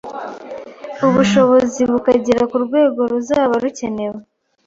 ubushobozi bukagera ku rwego ruzaba rucyenewe